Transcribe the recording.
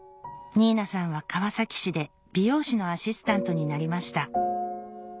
二菜さんは川崎市で美容師のアシスタントになりました